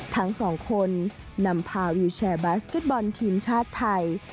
ทั้งสองคนนำพาวิวแชร์บาสเก็ตบอลทีมชาติไทย